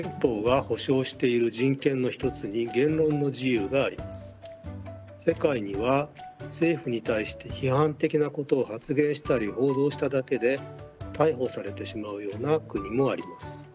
実はこれは例えば世界には政府に対して批判的なことを発言したり報道しただけで逮捕されてしまうような国もあります。